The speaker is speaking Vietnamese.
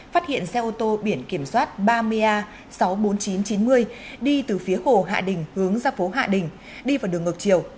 phát hiện xe ô tô biển kiểm soát ba mươi a sáu mươi bốn nghìn chín trăm chín mươi đi từ phía hồ hạ đình hướng ra phố hạ đình đi vào đường ngược chiều